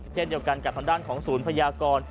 เช่นเดียวกันกับทางด้านของศูนย์พยากร